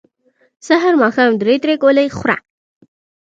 سحر ماښام درې درې ګولۍ خوره